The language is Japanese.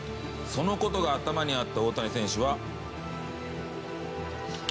そのことが頭にあった大谷選手は。